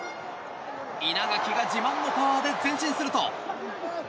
稲垣が自慢のパワーで前進すると。